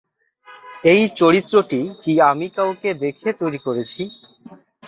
এই চরিত্রটি কি আমি কাউকে দেখে তৈরি করেছি?